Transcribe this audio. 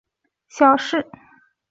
绿豆是代表芝麻绿豆的小事。